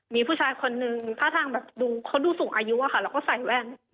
มีผู้ชายคนนึงท่าทางแบบดูเขาดูสูงอายุอะค่ะแล้วก็ใส่แว่น